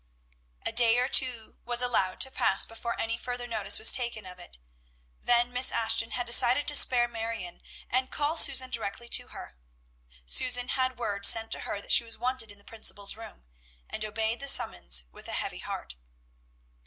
A day or two was allowed to pass before any further notice was taken of it, then Miss Ashton had decided to spare Marion, and call Susan directly to her. Susan had word sent to her that she was wanted in the principal's room, and obeyed the summons with a heavy heart.